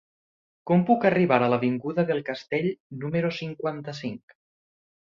Com puc arribar a l'avinguda del Castell número cinquanta-cinc?